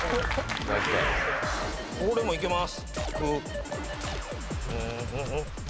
これもいけます。